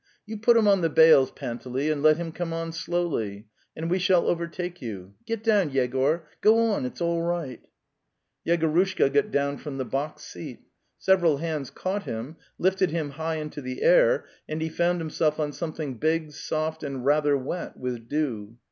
You put him on the bales, Panteley, and let him come on slowly, and we shall overtake you. Get down, Yegor! CGoronantscalliirioht.y 15 6) Yegorushka got down from the box seat. Sev eral hands caught him, lifted him high into the air, and he found himself on something big, soft, and rather wet with dew.